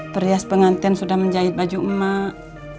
perhias pengantin sudah menjahit baju emak